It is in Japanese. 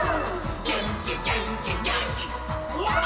「げんきげんきげんきわー！」